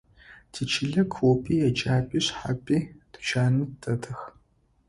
Тичылэ клуби, еджапӏи, шхапӏи, тучани дэтых.